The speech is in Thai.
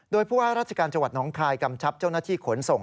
โดยผู้ว่าราชการจังหวัดน้องคายกำชับเจ้าหน้าที่ขนส่ง